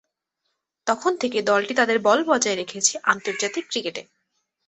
তখন থেকে, দলটি তাদের বল বজায় রেখেছে আন্তর্জাতিক ক্রিকেটে।